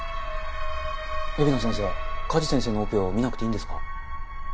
海老名先生加地先生のオペを見なくていいんですか？